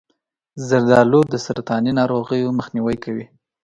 زردآلو د سرطاني ناروغیو مخنیوی کوي.